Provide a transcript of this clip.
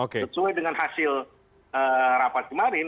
sesuai dengan hasil rapat kemarin